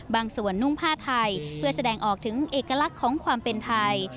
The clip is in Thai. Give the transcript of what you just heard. บางส่วนนุ่งผ้าไทยเพื่อแสดงออกถึงเอกลักษณ์ของความเป็นไทย